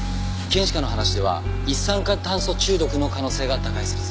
検視官の話では一酸化炭素中毒の可能性が高いそうです。